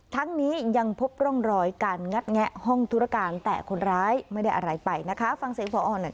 ทั้งนี้ยังพบร่องรอยการงัดแงะห้องธุรการแต่คนร้ายไม่ได้อะไรไปนะคะฟังเสียงพอหน่อย